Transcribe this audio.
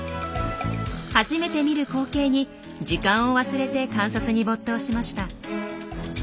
初めて見る光景に時間を忘れて観察に没頭しました。